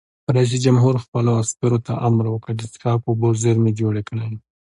رئیس جمهور خپلو عسکرو ته امر وکړ؛ د څښاک اوبو زیرمې جوړې کړئ!